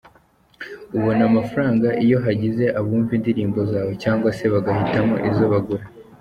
Ubona amafaranga iyo hagize abumva indirimbo zawe cyangwa se bagahitamo izo bagura.